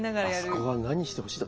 あそこは「何して欲しい？」